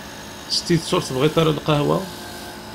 S tidet ur tebɣiḍ ara lqahwa?